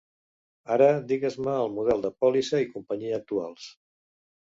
Ara digues-me el model de pòlissa i companyia actuals.